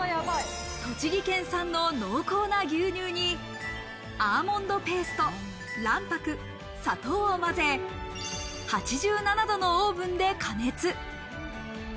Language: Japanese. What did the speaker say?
栃木県産の濃厚な牛乳にアーモンドペースト、卵白、砂糖をまぜ、８７度のオーブンで加熱。